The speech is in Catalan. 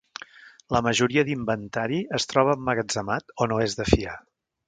La majoria d'inventari es troba emmagatzemat o no és de fiar.